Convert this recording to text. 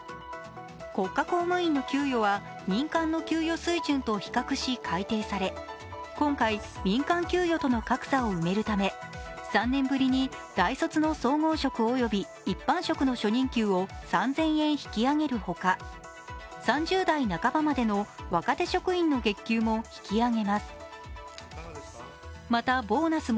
国家公務員の給与は、民間の給与水準と比較し改定され今回、民間給与との格差を埋めるため３年ぶりに大卒の総合職および一般職の初任給を３０００円引き上げるほか３０代半ばまでの若手職員の月給も引き上げます。